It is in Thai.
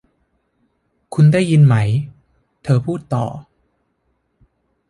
'คุณได้ยินไหม' เธอพูดต่อ